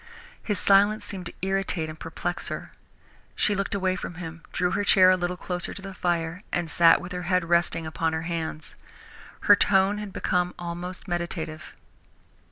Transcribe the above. His silence seemed to irritate and perplex her. She looked away from him, drew her chair a little closer to the fire, and sat with her head resting upon her hands. Her tone had become almost meditative.